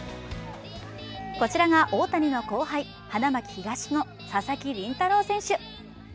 こちらが大谷の後輩、花巻東の佐々木麟太郎選手。